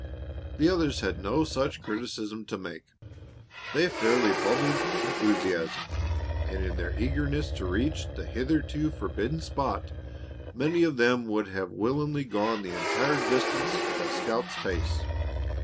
The others had no such criticism to make. They fairly bubbled enthusiasm, and in their eagerness to reach the hitherto forbidden spot many of them would have willingly gone the entire distance at scout's pace.